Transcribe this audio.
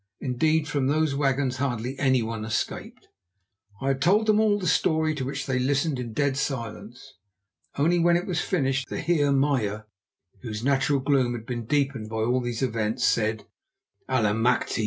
Indeed, from those wagons hardly anyone escaped. I had told them all the story, to which they listened in dead silence. Only when it was finished the Heer Meyer, whose natural gloom had been deepened by all these events, said: "Allemachte!